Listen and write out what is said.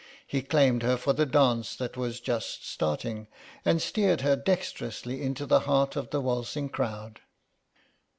He claimed her for the dance that was just starting, and steered her dexterously into the heart of the waltzing crowd.